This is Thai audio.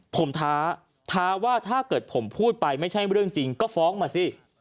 ผมท้าท้าว่าถ้าเกิดผมพูดไปไม่ใช่เรื่องจริงก็ฟ้องมาสิ